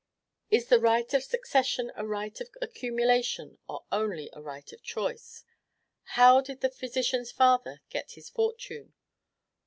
Is the right of succession a right of accumulation or only a right of choice? how did the physician's father get his fortune?